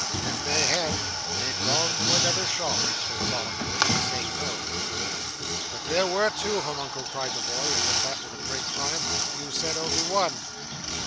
If they had, they'd gone to another shop," said Solomon, in the same tone. "But there were two of 'em, Uncle," cried the boy, as if that were a great triumph. "You said only one."